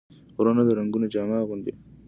غرونه د رنګونو جامه اغوندي